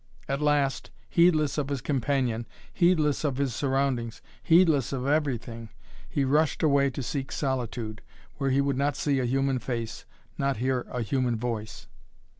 At last, heedless of his companion, heedless of his surroundings, heedless of everything, he rushed away to seek solitude, where he would not see a human face, not hear a human voice.